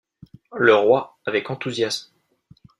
Le Roi, avec enthousiasme.